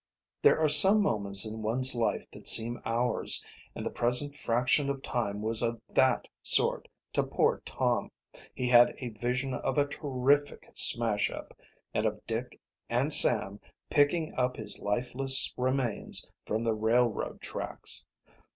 There are some moments in one's life that seem hours, and the present fraction of time was of that sort to poor Tom. He had a vision of a terrific smash up, and of Dick and Sam picking up his lifeless remains from the railroad tracks.